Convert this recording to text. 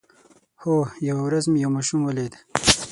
هو، یوه ورځ مې یو ماشوم ولید